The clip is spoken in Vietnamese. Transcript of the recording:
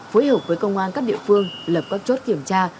phối hợp với công an các địa phương lập các chốt kiểm tra